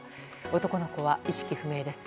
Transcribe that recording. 男の子は意識不明です。